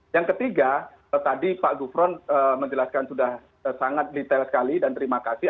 yang ketiga tadi pak gufron menjelaskan sudah sangat detail sekali dan terima kasih